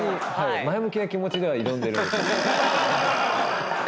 前向きな気持ちでは挑んでるんです。